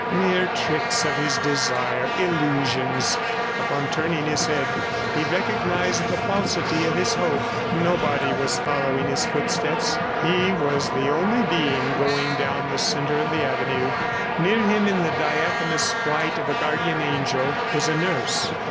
Mere tricks of his desire! Illusions! ... Upon turning his head he recognized the falsity of his hope. Nobody was following his footsteps; he was the only being going down the center of the avenue. Near him, in the diaphanous white of a guardian angel, was a nurse.